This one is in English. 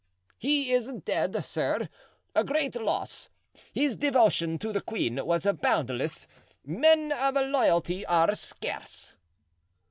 "He is dead, sir; a great loss. His devotion to the queen was boundless; men of loyalty are scarce."